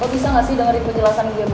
lo bisa gak sih dengerin penjelasan gue